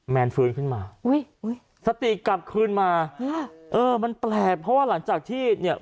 แนนฟื้นขึ้นมาอุ้ยสติกลับคืนมาเออมันแปลกเพราะว่าหลังจากที่เนี่ย